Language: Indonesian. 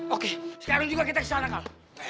oke sekarang juga kita kesana